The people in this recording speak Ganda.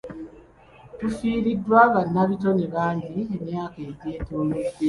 Tufiiriddwa bannabitone bangi emyaka egyetoolodde.